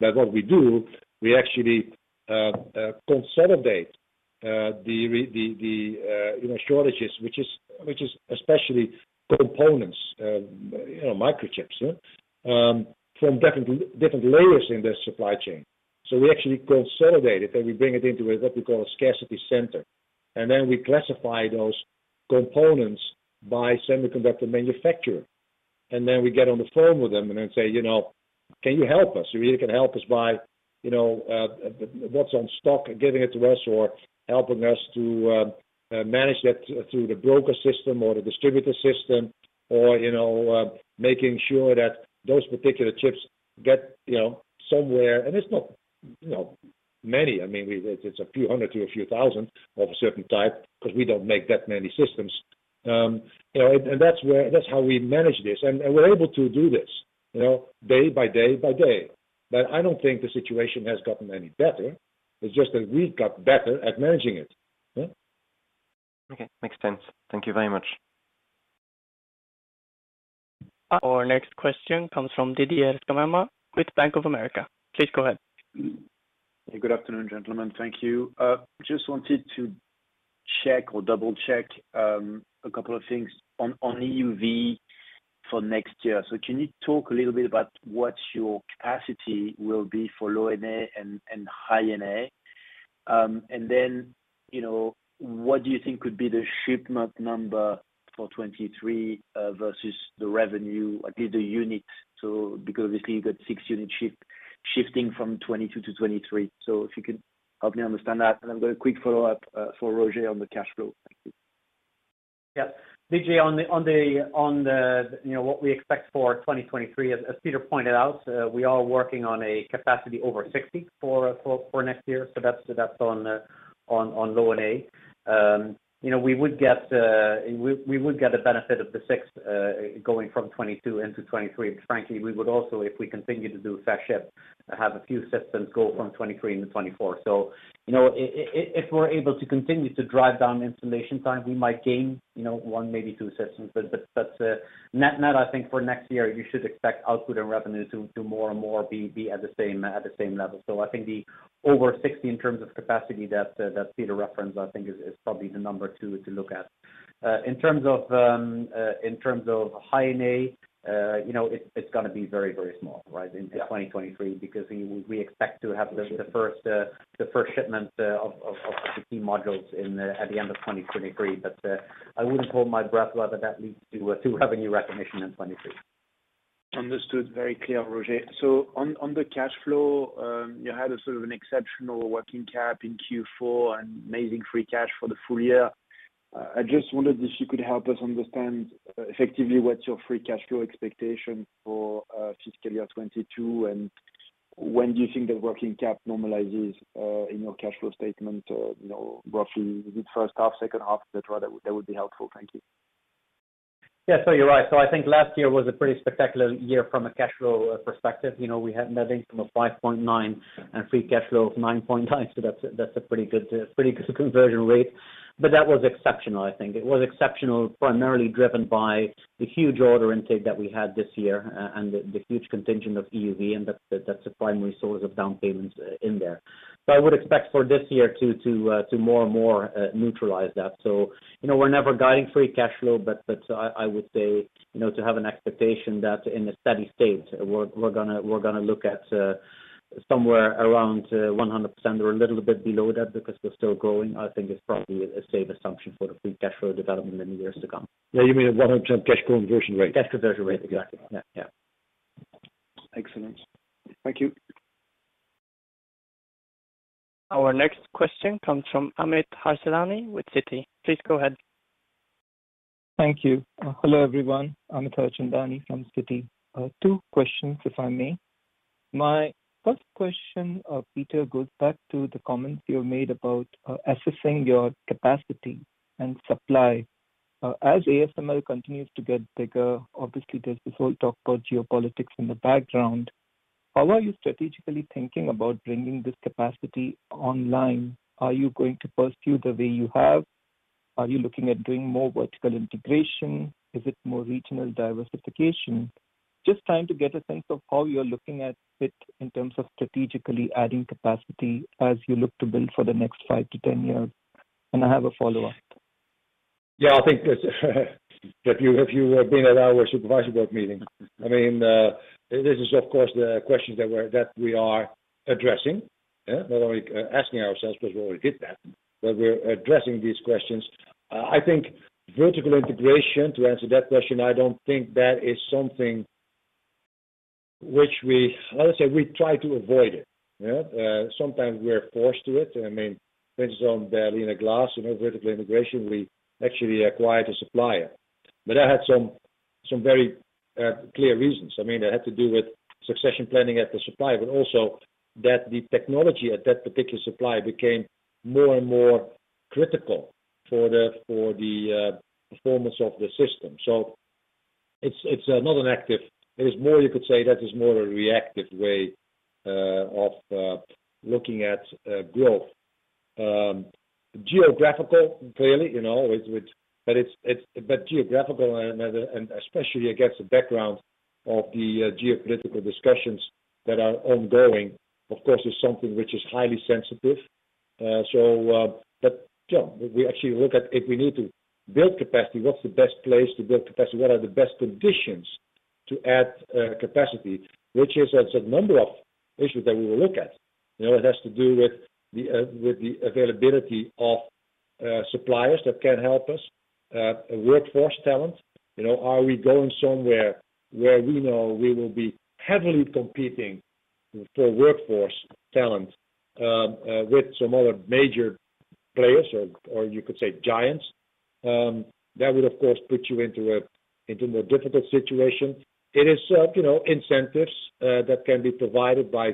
What we do, we actually consolidate the shortages, which is especially components, you know, microchips, yeah, from different layers in the supply chain. We actually consolidate it, then we bring it into what we call a scarcity center. Then we classify those components by semiconductor manufacturer. Then we get on the phone with them and then say, "You know, can you help us? You really can help us by, you know, what's in stock, giving it to us, or helping us to manage that through the broker system or the distributor system, or, you know, making sure that those particular chips get, you know, somewhere." It's not, you know, many. I mean, it's a few hundred to a few thousand of a certain type, 'cause we don't make that many systems. You know, and that's how we manage this. We're able to do this, you know, day by day by day. I don't think the situation has gotten any better. It's just that we've got better at managing it. Yeah. Okay. Makes sense. Thank you very much. Our next question comes from Didier Scemama with Bank of America. Please go ahead. Good afternoon, gentlemen. Thank you. Just wanted to check or double-check a couple of things on EUV for next year. Can you talk a little bit about what your capacity will be for low-NA and High-NA? And then, you know, what do you think would be the shipment number for 2023 versus the revenue, at least the units? Because obviously you've got six units shifting from 2022-2023. If you could help me understand that. Then a quick follow-up for Roger on the cash flow. Thank you. Yeah. Didier, on the you know what we expect for 2023, as Peter pointed out, we are working on a capacity over 60 for next year, so that's on low-NA. You know, we would get a benefit of the six going from 2022 into 2023, but frankly, we would also if we continue to do fast ship have a few systems go from 2023 into 2024. You know, if we're able to continue to drive down installation time, we might gain you know one, maybe two systems. Net, I think for next year, you should expect output and revenue to more and more be at the same level. I think the over 60 in terms of capacity that Peter referenced, I think is probably the number to look at. In terms of High-NA, you know, it's gonna be very, very small, right? In 2023, because we expect to have the first shipment of the key modules at the end of 2023. I wouldn't hold my breath whether that leads to revenue recognition in 2023. Understood. Very clear, Roger. On the cash flow, you had a sort of an exceptional working cap in Q4 and amazing free cash for the full year. I just wondered if you could help us understand effectively what's your free cash flow expectation for fiscal year 2022, and when do you think the working cap normalizes in your cash flow statement or, you know, roughly is it first half, second half? Et cetera. That would be helpful. Thank you. Yeah. You're right. I think last year was a pretty spectacular year from a cash flow perspective. You know, we had net income of 5.9 billion and free cash flow of 9.9 billion. That's a pretty good conversion rate. That was exceptional, I think. It was exceptional, primarily driven by the huge order intake that we had this year and the huge content of EUV, and that's a primary source of down payments in there. I would expect for this year to more and more neutralize that. You know, we're never guiding free cash flow, but I would say, you know, to have an expectation that in a steady state, we're gonna look at somewhere around 100% or a little bit below that because we're still growing. I think it's probably a safe assumption for the free cash flow development in the years to come. Yeah. You mean 100% cash conversion rate? Cash conversion rate. Exactly. Yeah, yeah. Excellent. Thank you. Our next question comes from Amit Harchandani with Citi. Please go ahead. Thank you. Hello, everyone. Amit Harchandani from Citi. Two questions, if I may. My first question, Peter, goes back to the comments you made about assessing your capacity and supply. As ASML continues to get bigger, obviously there's this whole talk about geopolitics in the background. How are you strategically thinking about bringing this capacity online? Are you going to pursue the way you have? Are you looking at doing more vertical integration? Is it more regional diversification? Just trying to get a sense of how you're looking at it in terms of strategically adding capacity as you look to build for the next five-10 years. I have a follow-up. I think this. If you have been at our supervisory board meeting, I mean, this is of course the questions that we are addressing. Not only asking ourselves, because we already did that, but we're addressing these questions. I think vertical integration, to answer that question, I don't think that is something which we try to avoid it. You know? Sometimes we're forced to it. I mean, for instance on the Berliner Glas, you know, vertical integration, we actually acquired a supplier. But that had some very clear reasons. I mean, that had to do with succession planning at the supplier, but also that the technology at that particular supplier became more and more critical for the performance of the system. So it's not an active. It is more, you could say, that is more a reactive way of looking at growth. Geographical and especially against the background of the geopolitical discussions that are ongoing, of course, is something which is highly sensitive. Yeah, we actually look at if we need to build capacity, what's the best place to build capacity? What are the best conditions to add capacity? Which is, there's a number of issues that we will look at. You know, it has to do with the availability of suppliers that can help us, workforce talent. You know, are we going somewhere where we know we will be heavily competing for workforce talent with some other major players or you could say giants? That would, of course, put you into a more difficult situation. It is, you know, incentives that can be provided by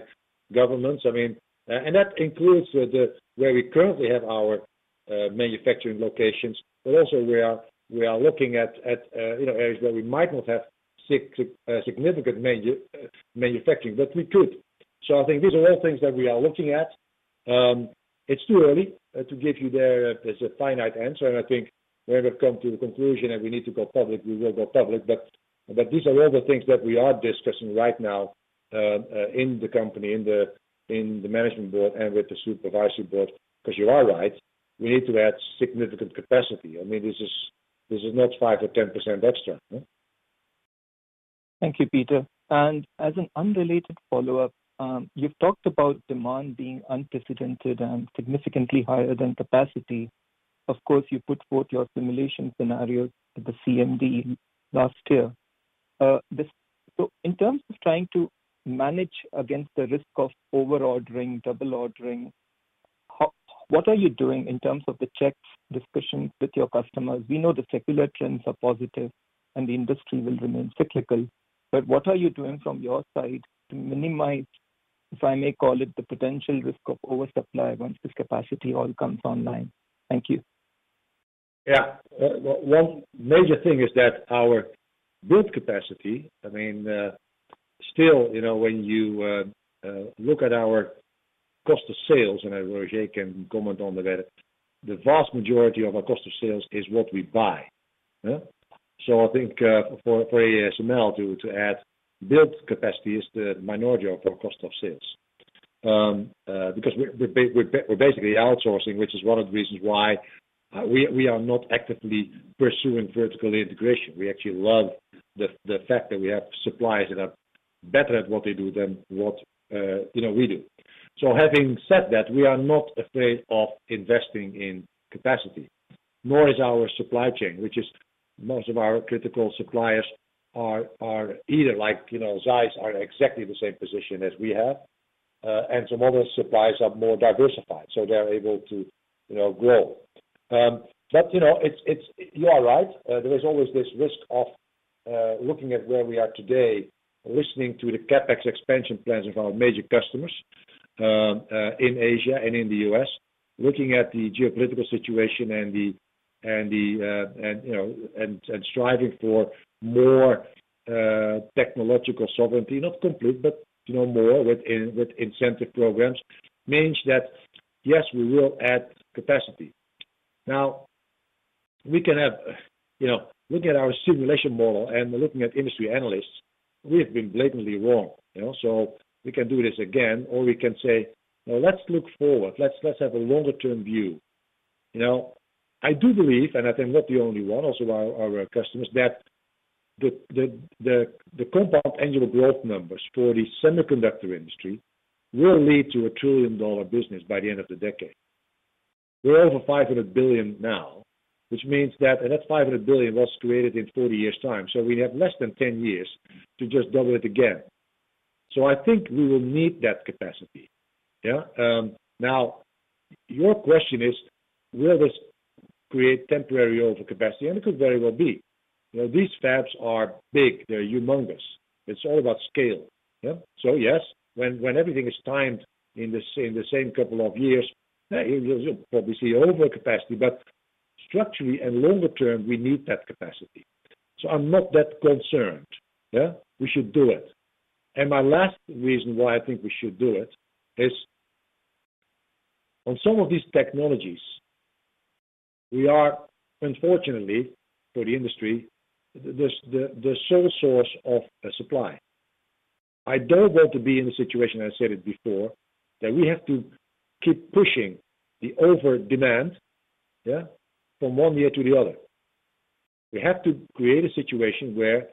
governments. I mean, that includes where we currently have our manufacturing locations, but also where we are looking at, you know, areas where we might not have significant manufacturing, but we could. I think these are all things that we are looking at. It's too early to give you a finite answer, and I think when we've come to the conclusion that we need to go public, we will go public. These are all the things that we are discussing right now, in the company, in the management board and with the supervisory board. Because you are right, we need to add significant capacity. I mean, this is not 5% or 10% extra. Thank you, Peter. As an unrelated follow-up, you've talked about demand being unprecedented and significantly higher than capacity. Of course, you put forth your simulation scenario at the CMD last year. In terms of trying to manage against the risk of over-ordering, double ordering, what are you doing in terms of the checks, discussions with your customers? We know the secular trends are positive and the industry will remain cyclical, but what are you doing from your side to minimize, if I may call it, the potential risk of oversupply once this capacity all comes online? Thank you. One major thing is that our build capacity, I mean, still, you know, when you look at our cost of sales, and Roger can comment on that, the vast majority of our cost of sales is what we buy. I think for ASML to add build capacity is the minority of our cost of sales. Because we're basically outsourcing, which is one of the reasons why we are not actively pursuing vertical integration. We actually love the fact that we have suppliers that are better at what they do than what you know we do. Having said that, we are not afraid of investing in capacity, nor is our supply chain, which is most of our critical suppliers are either like, you know, ZEISS are exactly the same position as we have. And some other suppliers are more diversified, so they're able to, you know, grow. But you know, it's. You are right. There is always this risk of looking at where we are today, listening to the CapEx expansion plans of our major customers in Asia and in the U.S., looking at the geopolitical situation and striving for more technological sovereignty, not complete, but you know, more with incentive programs, means that yes, we will add capacity. Now we can have, you know, look at our simulation model and looking at industry analysts, we have been blatantly wrong, you know. We can do this again, or we can say, "Let's look forward. Let's have a longer term view." You know, I do believe, and I think we're not the only one, also our customers, that the compound annual growth numbers for the semiconductor industry will lead to a $1 trillion business by the end of the decade. We're over $500 billion now, which means that that $500 billion was created in 40 years' time, so we have less than 10 years to just double it again. I think we will need that capacity. Yeah? Now your question is, will this create temporary overcapacity? It could very well be. You know, these fabs are big. They're humongous. It's all about scale. Yeah? Yes, when everything is timed in the same couple of years, yeah, you'll probably see overcapacity. Structurally and longer term, we need that capacity. I'm not that concerned. Yeah? We should do it. My last reason why I think we should do it is on some of these technologies, we are, unfortunately for the industry, the sole source of supply. I don't want to be in the situation, I said it before, that we have to keep pushing the overdemand, yeah, from one year to the other. We have to create a situation where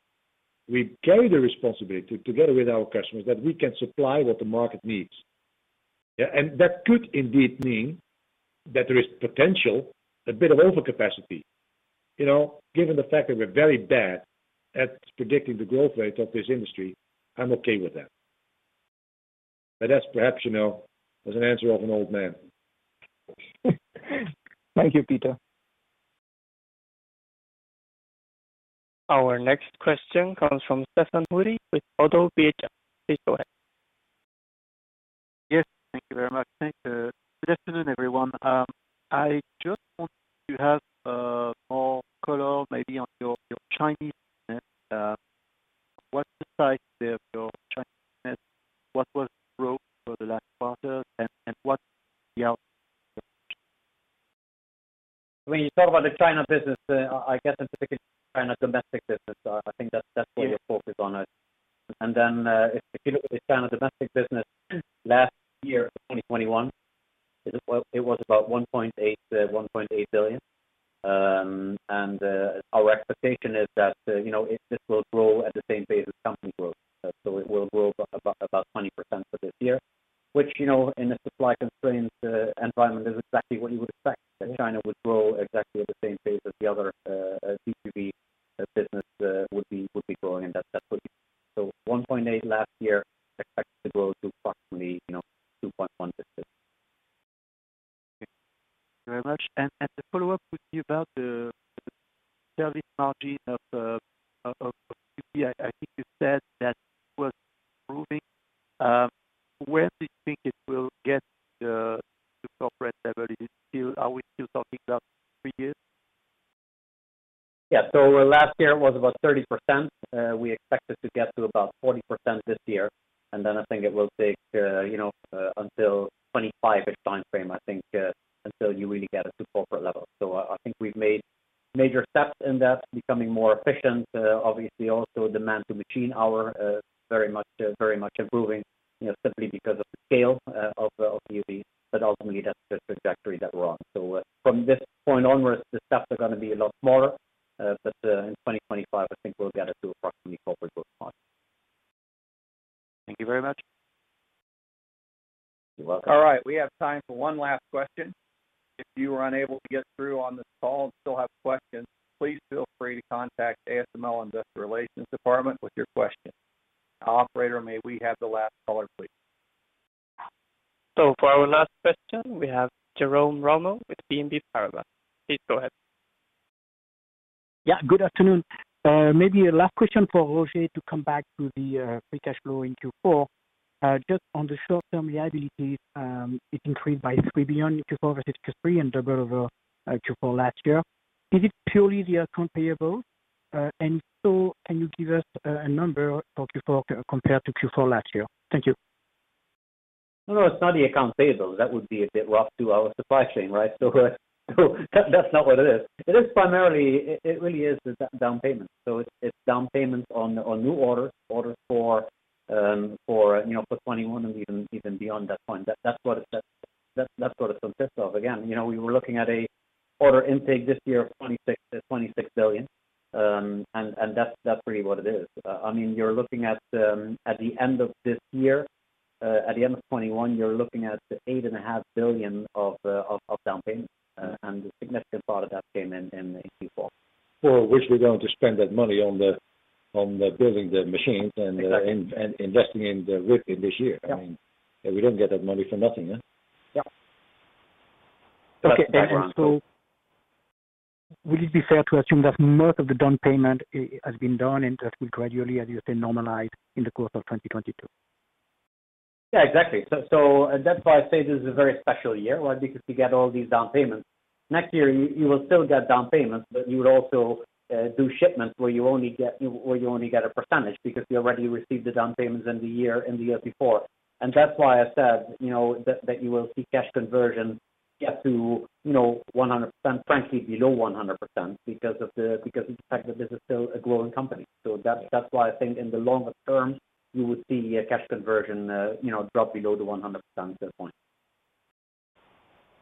we carry the responsibility together with our customers, that we can supply what the market needs. Yeah. That could indeed mean that there is potential, a bit of overcapacity. You know, given the fact that we're very bad at predicting the growth rate of this industry, I'm okay with that. That's perhaps, you know, was an answer of an old man. Thank you, Pieter. Our next question comes from Stéphane Houri with ODDO BHF. Please go ahead. Yes. Thank you very much. Thanks. Good afternoon, everyone. I just want to have more color maybe on your Chinese business. What's the size of your Chinese business? What was growth for the last quarter? What's the outcome? When you talk about the China business, I guess I'm thinking China domestic business. I think that's where you're focused on it. If you look at the China domestic business last year, 2021, it was about 1.8 billion. Our expectation is that, you know, this will grow at the same pace as company growth. It will grow about 20% for this year, which, you know, in a supply-constrained environment, is exactly what you would expect. That China would grow exactly at the same pace as the other EUV business would be growing. 1.8 billion last year, expect to grow to approximately, you know, 2.1 billion this year. Thank you very much. The follow-up would be about the selling margin of EUV. I think you said that it was improving. Where do you think it will get to corporate level? Are we still talking about three years? Last year was about 30%. We expect it to get to about 40% this year, and then I think it will take until 25-ish timeframe, I think, until you really get it to corporate level. I think we've made major steps in that becoming more efficient. Obviously also demand per machine hour very much improving simply because of the scale of EUV, but ultimately that's the trajectory that we're on. From this point onwards, the steps are gonna be a lot smaller, but in 2025, I think we'll get it to approximately corporate level. Thank you very much. You're welcome. All right. We have time for one last question. If you were unable to get through on this call and still have questions, please feel free to contact ASML Investor Relations Department with your question. Operator, may we have the last caller, please? For our last question, we have Jerome Ramel with Exane BNP Paribas. Please go ahead. Yeah, good afternoon. Maybe a last question for Roger to come back to the free cash flow in Q4. Just on the short-term liabilities, it increased by 3 billion in Q4 versus Q3 and double over Q4 last year. Is it purely the accounts payable? If so, can you give us a number for Q4 compared to Q4 last year? Thank you. No, it's not the accounts payable. That would be a bit rough to our supply chain, right? That's not what it is. It is primarily. It really is the down payment. It's down payments on new orders for 2021 and even beyond that point. That's what it consists of. Again, you know, we were looking at an order intake this year of 26 billion. And that's really what it is. I mean, you're looking at the end of this year, at the end of 2021, you're looking at 8.5 billion of down payments. And a significant part of that came in Q4. For which we're going to spend that money on building the machines. Exactly. investing in the dip in this year. Yeah. I mean, we don't get that money for nothing, yeah? Yeah. Okay. Would it be fair to assume that most of the down payment has been done and that will gradually, as you say, normalize in the course of 2022? Yeah, exactly. That's why I say this is a very special year, right? Because we get all these down payments. Next year, you will still get down payments, but you would also do shipments where you only get a percentage because you already received the down payments in the year before. That's why I said, you know, that you will see cash conversion get to, you know, 100%, frankly below 100% because of the fact that this is still a growing company. That's why I think in the longer term, you would see a cash conversion, you know, drop below the 100% at that point.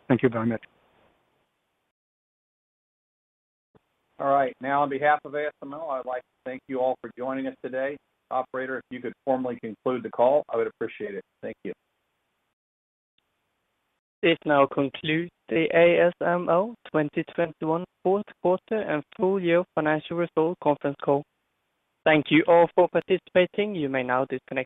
Thank you very much. All right. Now, on behalf of ASML, I'd like to thank you all for joining us today. Operator, if you could formally conclude the call, I would appreciate it. Thank you. This now concludes the ASML 2021 Q4 and full year financial results conference call. Thank you all for participating. You may now disconnect your-